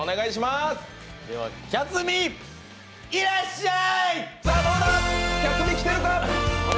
いらっしゃーい。